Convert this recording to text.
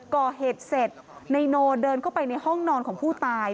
ก่อเหตุเสร็จนายโนเดินเข้าไปในห้องนอนของผู้ตาย